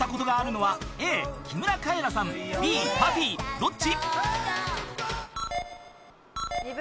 ［どっち？］